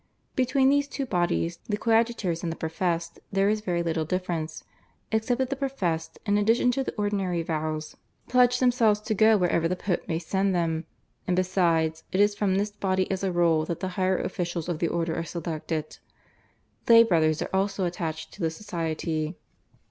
Between these two bodies, the coadjutors and the professed, there is very little difference, except that the professed in addition to the ordinary vows pledge themselves to go wherever the Pope may send them, and besides, it is from this body as a rule that the higher officials of the order are selected. Lay brothers are also attached to the society.